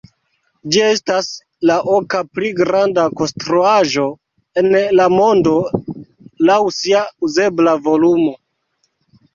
Ĝi estas la oka pli granda konstruaĵo en la mondo laŭ sia uzebla volumo.